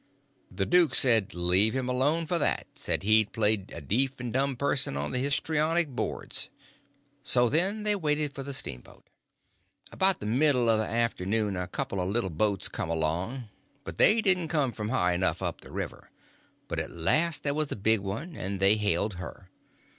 The duke said, leave him alone for that; said he had played a deef and dumb person on the histronic boards. So then they waited for a steamboat. About the middle of the afternoon a couple of little boats come along, but they didn't come from high enough up the river; but at last there was a big one, and they hailed her.